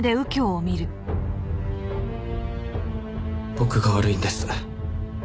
僕が悪いんです。